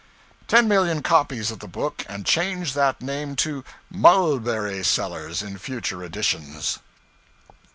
]} copies of the book and change that name to 'Mulberry Sellers' in future editions.